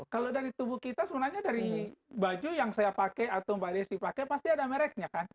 kalau dari tubuh kita sebenarnya dari baju yang saya pakai atau mbak desti pakai pasti ada mereknya kan